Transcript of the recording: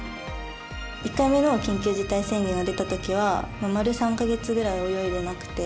１回目の緊急事態宣言が出たときは丸３か月ぐらい泳いでなくて。